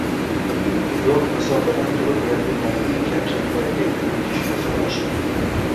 Uzoq masofadan turib yaqinlarining kamchiliklariga ko‘nikish osonlashgan.